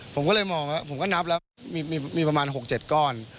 ผมก็เลยนับแล้วมีประมาณ๖๗ก้อน